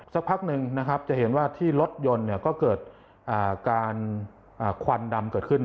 สักพักหนึ่งนะครับจะเห็นว่าที่รถยนต์ก็เกิดการควันดำเกิดขึ้น